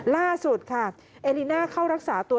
ล่าสุดค่ะเอลิน่าเข้ารักษาตัว